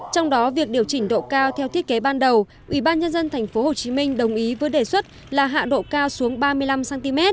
trong đó việc điều chỉnh độ cao theo thiết kế ban đầu ubnd tp hcm đồng ý với đề xuất là hạ độ cao xuống ba mươi năm cm